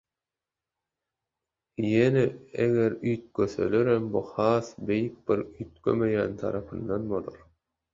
Ýöne eger üýtgeselerem bu has beýik bir üýtgemeýän tarapyndan bolar.